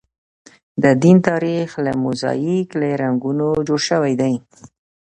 د دین تاریخ لکه موزاییک له رنګونو جوړ شوی دی.